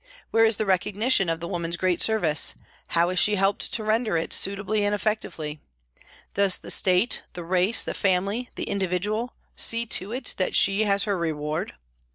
Where is the recognition of the woman's great service, how is she helped to render it suit ably and efficiently; does the State, the race, the family, the individual, see to it that she has her reward